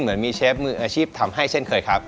เหมือนมีเชฟมืออาชีพทำให้เช่นเคยครับ